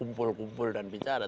kumpul kumpul dan bicara